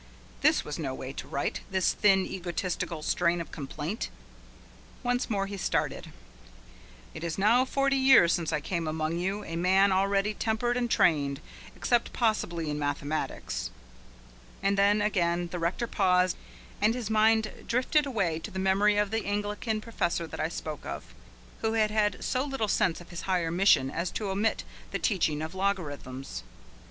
This was no way to write, this thin egotistical strain of complaint. Once more he started: "It is now forty years since I came among you, a man already tempered and trained, except possibly in mathematics " And then again the rector paused and his mind drifted away to the memory of the Anglican professor that I spoke of, who had had so little sense of his higher mission as to omit the teaching of logarithms.